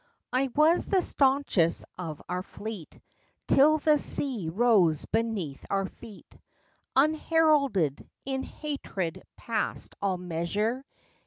_ _I was the staunchest of our fleet Till the Sea rose beneath our feet Unheralded, in hatred past all measure.